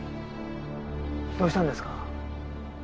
どうしたんですか？